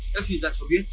các chuyên gia cho biết